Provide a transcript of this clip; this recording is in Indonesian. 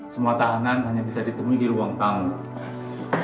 semua tahanan hanya bisa ditemui di ruang panggung